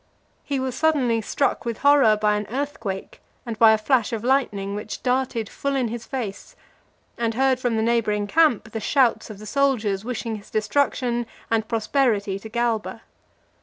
He was suddenly struck with horror by an earthquake, and by a flash of lightning which darted full in his face, and heard from the neighbouring camp the shouts of the soldiers, wishing his destruction, and prosperity to Galba.